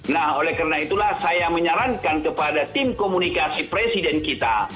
nah oleh karena itulah saya menyarankan kepada tim komunikasi presiden kita